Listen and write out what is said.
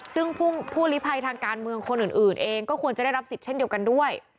ซึ่งผู้ลิภัยทางการเมืองคนอื่นเองก็ควรจะได้รับสิทธิ์เช่นเดียวกันด้วย